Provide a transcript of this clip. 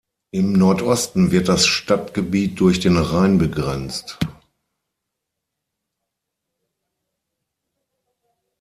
Im Nordosten wird das Stadtgebiet durch den Rhein begrenzt.